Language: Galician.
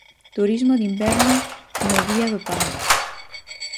Turismo de inverno no Día do Pai.